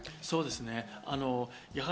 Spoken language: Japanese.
そうですね。